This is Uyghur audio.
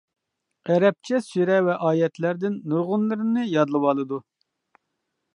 ئەرەبچە سۈرە ۋە ئايەتلەردىن نۇرغۇنلىرىنى يادلىۋالىدۇ.